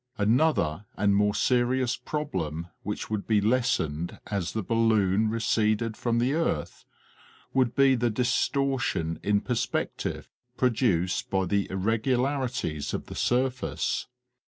Another and more serious problem which would be lessened as the balloon receded from the earth would be the distortion in perspective produced by the irregularities of the surface.